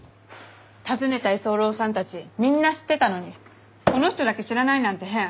訪ねた居候さんたちみんな知ってたのにこの人だけ知らないなんて変。